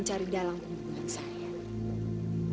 kau akan mengusnahkan aku